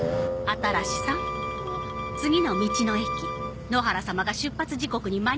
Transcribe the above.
新さん次の道の駅野原様が出発時刻に間に合えば